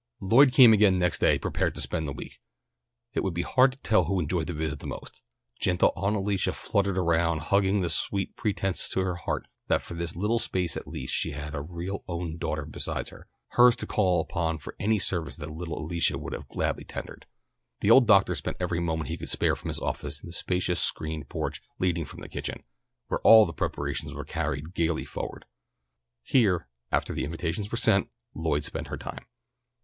Lloyd came again next day prepared to spend the week. It would be hard to tell who enjoyed the visit the most. Gentle Aunt Alicia fluttered around, hugging the sweet pretence to her heart that for this little space at least she had a real own daughter beside her, hers to call upon for any service that the little Alicia would have gladly tendered. The old doctor spent every moment he could spare from his office in the spacious screened porch leading from the kitchen, where all the preparations were carried gaily forward. Here, after the invitations were sent, Lloyd spent her time.